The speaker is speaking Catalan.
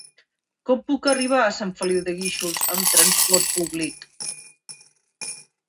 Com puc arribar a Sant Feliu de Guíxols amb trasport públic?